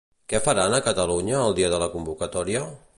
Què faran a Catalunya el dia de la convocatòria?